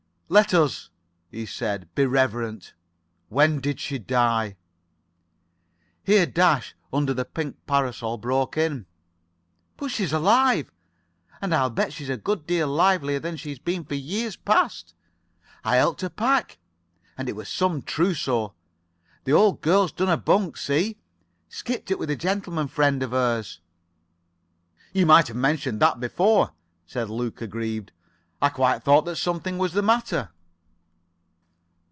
"Let us," he said, "be reverent. When did she die?" Here Dash, under the pink parasol, broke in, "But she's alive. And I'll bet she's a good deal livelier than she's been for years past. I helped her pack, and it was some trousseau. The old girl's done a bunk. See? Skipped it with a gentleman friend of hers." "You might have mentioned that before," said Luke, aggrieved. "I quite thought that something was the matter."